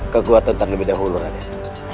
keguatan terlebih dahulu raden